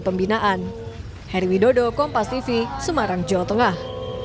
pembinaan heri widodo kompas tv semarang jawa tengah